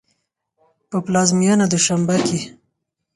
په پلازمېنه دوشنبه کې